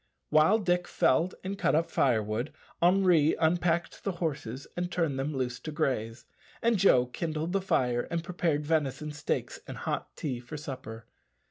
While Dick Varley felled and cut up firewood, Henri unpacked the horses and turned them loose to graze, and Joe kindled the fire and prepared venison steaks and hot tea for supper.